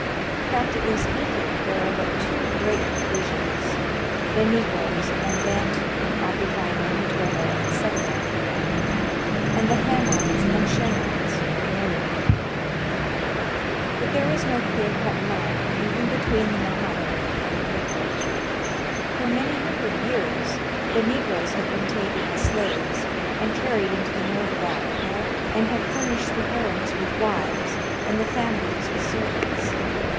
Practically speaking, there are but two great divisions, — the Negroes and Bantu, occupying equatorial and southern Africa ; and the Hamites and Shemites, northern Africa. But there is no clear cut line even between the Mohammedan and Negro. For many hundred years ttfe Negroes have been taken as slaves, and carried into the north of Africa, and have furnished the harems with wives, and the families with servants.